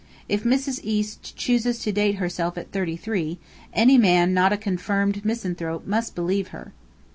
If Mrs. East chooses to date herself at thirty three, any man not a confirmed misanthrope must believe her.